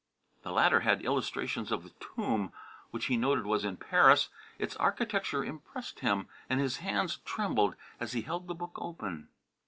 The latter had illustrations of the tomb, which he noted was in Paris. Its architecture impressed him, and his hands trembled as he held the book open.